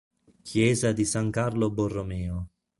Chiesa di San Carlo Borromeo